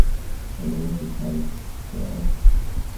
অনুমতি খারিজ, স্পেয়ার।